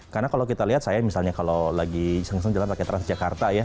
karena kalau kita lihat saya misalnya kalau lagi seng seng jalan pakai transjakarta ya